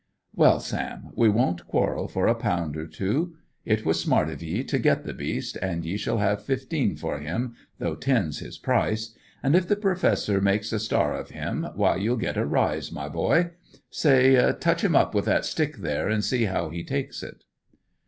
"Well, Sam, we won't quarrel for a pound or two. It was smart of ye to get the beast, an' you shall have fifteen for him, though ten's his price; an' if the Professor makes a star of him, why you'll get a rise, my boy. Say, touch him up with that stick there, an' see how he takes it."